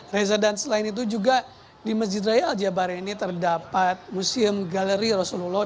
residence lain itu juga di masjid raya al jabar ini terdapat museum galeri rasulullah